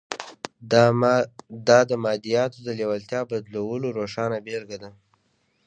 دا د مادیاتو د لېوالتیا بدلولو روښانه بېلګه ده